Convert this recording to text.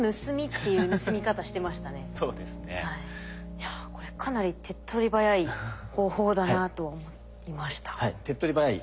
いやこれかなり手っ取り早い方法だなと思いました。